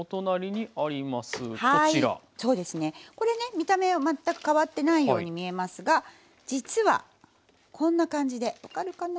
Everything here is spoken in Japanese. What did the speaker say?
見た目は全く変わってないように見えますが実はこんな感じで分かるかな？